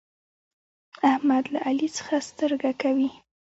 احمد له علي څخه سترګه کوي.